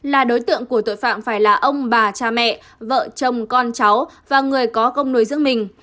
là đối tượng của tội phạm phải là ông bà cha mẹ vợ chồng con cháu và người có công nuôi dưỡng mình